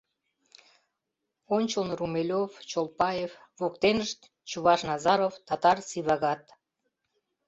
Ончылно — Румелёв, Чолпаев, воктенышт — чуваш Назаров, татар Сивагат.